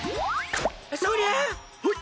そりゃっ！